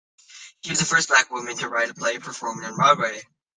She was the first black woman to write a play performed on Broadway.